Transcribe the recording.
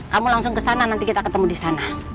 kamu langsung kesana nanti kita ketemu disana